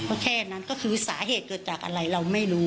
ก็แค่นั้นก็คือสาเหตุเกิดจากอะไรเราไม่รู้